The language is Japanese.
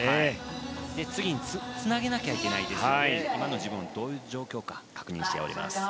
次につなげなきゃいけないですので今の自分がどういう状況か確認しております。